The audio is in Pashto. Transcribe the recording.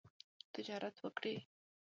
تجارت وکړئ